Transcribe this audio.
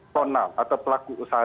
tonal atau pelaku usaha